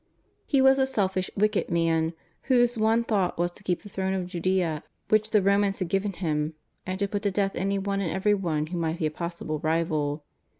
He was a selfish, wicked man, whose one thought was to keep the throne of Judea which the Romans had given him, and to put to death anyone and everyone who might be a possible rival.